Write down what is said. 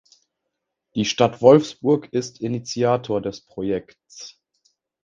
Die Stadt Wolfsburg ist Initiator des Projekts.